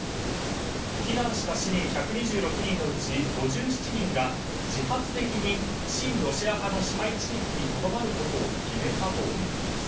避難した市民１２６人のうち５７人が自発的に親ロシア派の支配地域にとどまることを決めたというんです。